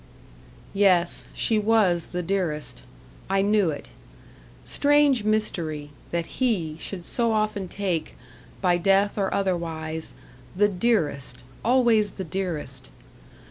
Yes, she was the dearest. I knew it. Strange mystery, that He should so often take, by death or otherwise, the DEAREST always the dearest.